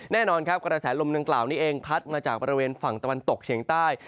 แน่นอนครับกระแสลมดังกล่าวนี้เองพัดมาจากบริเวณฝั่งตะวันตกเฉียงใต้